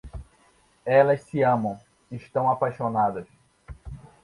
Elas se amam. Estão apaixonadas.